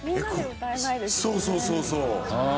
そうそうそうそう。